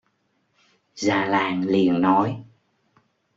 Già làng liền nói